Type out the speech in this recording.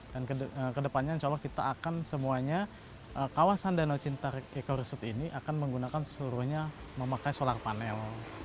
dan kedepannya insya allah kita akan semuanya kawasan danau cinta eco resort ini akan menggunakan seluruhnya memakai solar panel